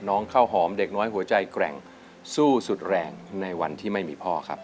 ข้าวหอมเด็กน้อยหัวใจแกร่งสู้สุดแรงในวันที่ไม่มีพ่อครับ